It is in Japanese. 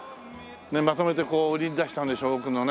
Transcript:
まとめてこう売りに出したんでしょう奥のね。